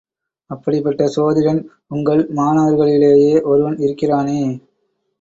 அப்படிப்பட்ட சோதிடன் உங்கள் மாணவர்களிலேயே ஒருவன் இருக்கிறானே!